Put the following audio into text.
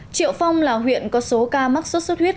triệu phong là huyện có số ca mắc sốt xuất huyết